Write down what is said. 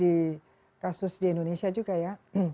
di kasus di indonesia juga ya